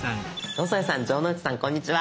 野添さん城之内さんこんにちは。